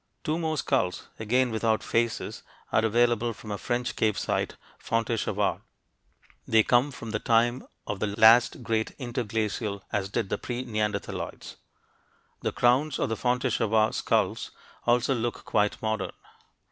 Two more skulls, again without faces, are available from a French cave site, Fontéchevade. They come from the time of the last great interglacial, as did the pre neanderthaloids. The crowns of the Fontéchevade skulls also look quite modern.